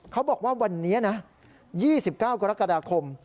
เขาบอกว่าวันนี้นะ๒๙กรกฎาคม